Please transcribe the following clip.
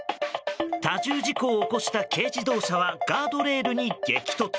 多重事故を起こした軽自動車はガードレールに激突。